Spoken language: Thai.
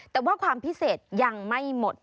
แต่ว่าความพิเศษยังไม่หมด